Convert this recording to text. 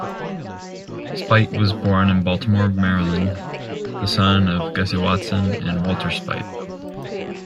Speight was born in Baltimore, Maryland, the son of Gussie Watson and Walter Speight.